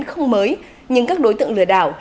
không mới nhưng các đối tượng lừa đảo